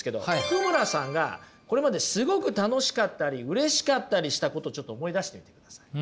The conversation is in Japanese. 福村さんがこれまですごく楽しかったりうれしかったりしたことちょっと思い出してみてください。